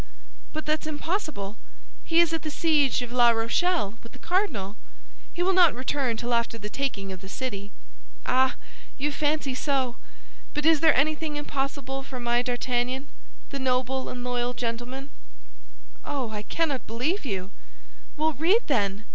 "But that's impossible! He is at the siege of La Rochelle with the cardinal. He will not return till after the taking of the city." "Ah, you fancy so! But is there anything impossible for my D'Artagnan, the noble and loyal gentleman?" "Oh, I cannot believe you!" "Well, read, then!"